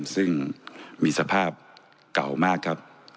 ซึ่งมีสภาพเก่ามากครับ